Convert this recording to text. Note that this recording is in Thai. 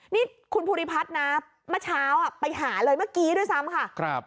นี่คุณภูริพัฒน์นะเมื่อเช้าไปหาเลยเมื่อกี้ด้วยซ้ำค่ะ